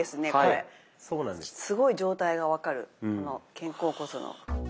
すごい状態が分かるこの肩甲骨の。